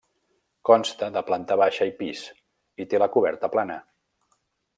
Consta de planta baixa i pis i té la coberta plana.